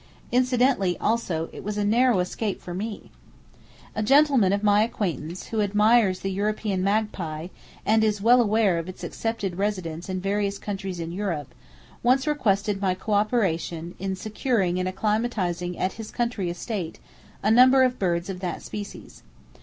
Incidentally, also, it was a narrow escape for me! A gentlemen of my acquaintance, who admires the European magpie, and is well aware of its acceptable residence in various countries in Europe, once requested my cooperation in securing and acclimatizing at his country estate a number of birds of that species.